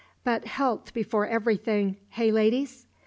But health before everything hey, ladies?